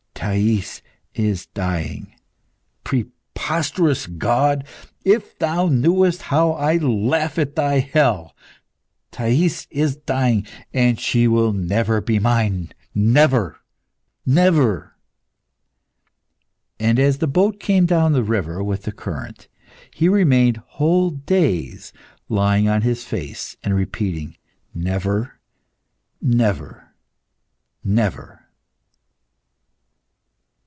. Thais is dying! Preposterous God, if thou knewest how I laugh at Thy hell! Thais is dying, and she will never be mine never! never!" And as the boat came down the river with the current, he remained whole days lying on his face, and repeating "Never! never! never!"